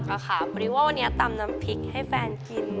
เพราะว่าวันนี้ตำน้ำพริกให้แฟนกิน